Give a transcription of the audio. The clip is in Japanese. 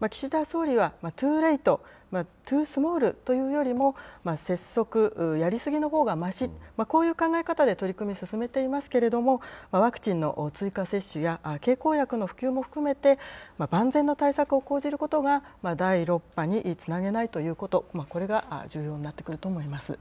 岸田総理はトゥーレイト・トゥースモールというよりも、拙速、やりすぎのほうがまし、こういう考え方で取り組み、進めていますけれども、ワクチンの追加接種や、経口薬の普及も含めて、万全の対策を講じることが、第６波につなげないということ、これが重要になってくると思います。